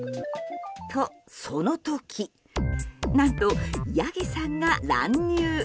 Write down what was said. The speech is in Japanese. と、その時何と、ヤギさんが乱入。